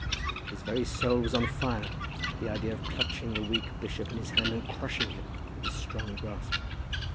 His very soul was on fire at the idea of clutching the weak bishop in his hand, and crushing him with his strong grasp.